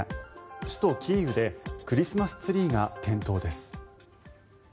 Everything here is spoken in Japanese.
首都キーウでクリスマスツリーが点灯です。